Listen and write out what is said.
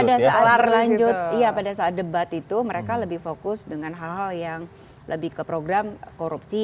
ada soal lanjut iya pada saat debat itu mereka lebih fokus dengan hal hal yang lebih ke program korupsi